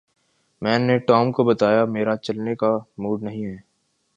میں نے ٹام کو بتایا میرا چلنے کا موڈ نہیں ہے